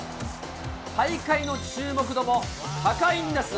大会の注目度も高いんです。